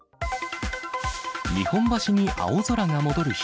日本橋に青空が戻る日。